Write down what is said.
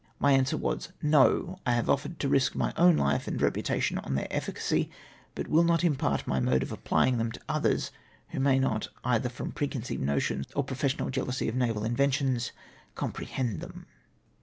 My answer was, " No, I have offered to risk my own life and reputation on their efficacy, but will not impart my mode of applying them to others, who may not, either from preconceived notions or professional jea lousy of naval inventi(^ns, comprehend them."